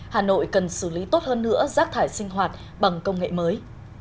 hà nội cần xử lý tốt hơn nữa rác thải sinh hoạt bằng công nghệ mới